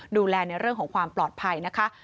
ดูแลในเรื่องของความปลอดภัยนะคะ